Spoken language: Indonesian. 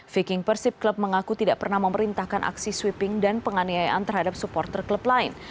viking persib club mengaku tidak pernah memerintahkan aksi sweeping dan penganiayaan terhadap supporter klub lain